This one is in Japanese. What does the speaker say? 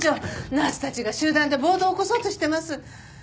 ナースたちが集団で暴動を起こそうとしてます。